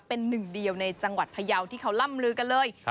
เป็นหนึ่งเดียวในจังหวัดพยาวที่เขาร่ำลือกันเลย